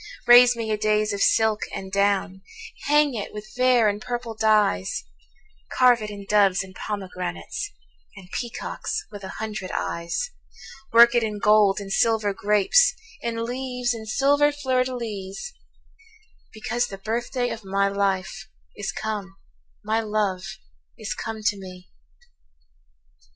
Raise me a dais of silk and down; Hang it with vair and purple dyes; Carve it in doves and pomegranates, And peacocks with a hundred eyes; Work it in gold and silver grapes, In leaves and silver fleurs de lys; Because the birthday of my life Is come, my love is come to me.